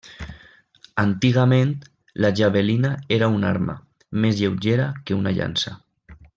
Antigament, la javelina era una arma, més lleugera que una llança.